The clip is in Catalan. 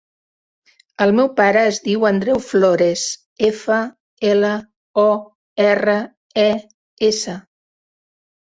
El meu pare es diu Andreu Flores: efa, ela, o, erra, e, essa.